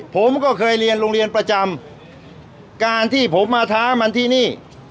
ผมก็เคยเรียนโรงเรียนประจำการที่ผมมาท้ามันที่นี่